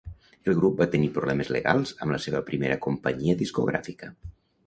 El grup va tenir problemes legals amb la seva primera companyia discogràfica.